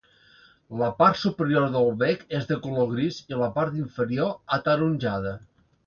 La part superior del bec és de color gris i la part inferior ataronjada.